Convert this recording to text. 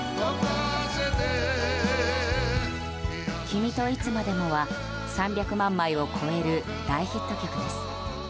「君といつまでも」は３００万枚を超える大ヒット曲です。